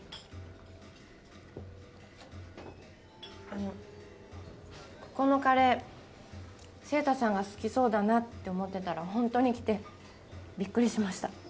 あのここのカレー晴太さんが好きそうだなって思ってたらホントに来てビックリしました